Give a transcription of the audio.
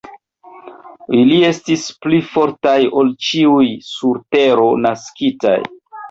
Ili estis pli fortaj ol ĉiuj, sur tero naskitaj.